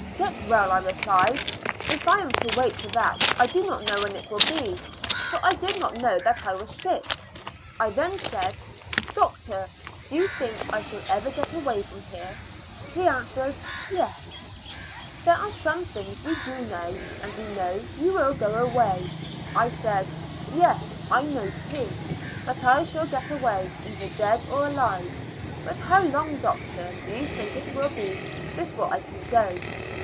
" Get well !" I replied, " if I am to wait for that I do not know when it will be, for I did not know that I was sick." I then said :'' Doctor, do you think I shall ever get away from here?" He answered, ''Yes ; 170 ^^^ Years and Fo ur Months there are some thiugs we do know, and we know you will go away." I said, " Yes, I know, too, that I shall getaway, either dead or alive ; but how long, doctor, do you think it will be before I can go